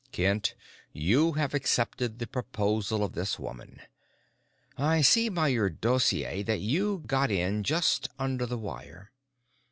"Kent, you have accepted the proposal of this woman. I see by your dossier that you got in just under the wire.